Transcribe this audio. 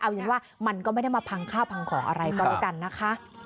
เอายังว่ามันก็ไม่ได้มาพังข้าวพังของอะไรก็แล้วกันนะคะ